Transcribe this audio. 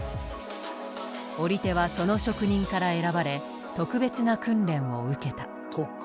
織り手はその職人から選ばれ特別な訓練を受けた。